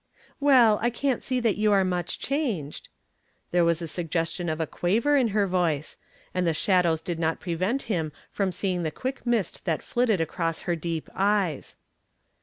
"Well, I can't see that you are much changed." There was a suggestion of a quaver in her voice, and the shadows did not prevent him from seeing the quick mist that flitted across her deep eyes.